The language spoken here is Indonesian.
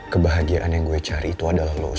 kebahagiaan yang gue cari itu adalah lo sus goreng